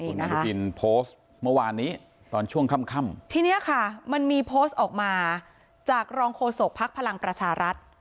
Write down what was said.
คุณอนุทินโพสต์เมื่อวานนี้ตอนช่วงค่ำทีเนี้ยค่ะมันมีโพสต์ออกมาจากรองโฆษกภักดิ์พลังประชารัฐ